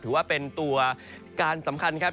ถือว่าเป็นตัวการสำคัญครับ